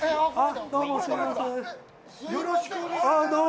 よろしくお願いします。